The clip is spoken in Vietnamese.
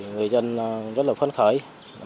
người dân rất là phấn khởi